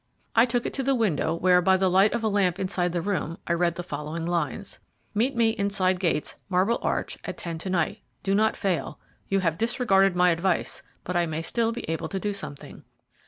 I took it to the window, where, by the light of a lamp inside the room, I read the following lines: "Meet me inside gates, Marble Arch, at ten to night. Do not fail. You have disregarded my advice, but I may still be able to do something."